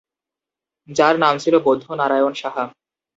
যার নাম ছিল বৌদ্ধ নারায়ণ সাহা।